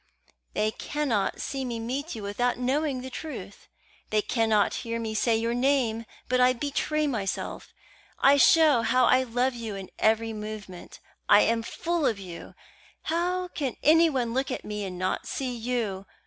They cannot see me meet you without knowing the truth; they cannot hear me say your name but I betray myself; I show how I love you in every movement; I am full of you. How can anyone look at me and not see you?